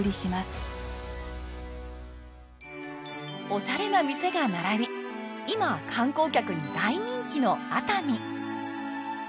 おしゃれな店が並び今観光客に大人気の熱海。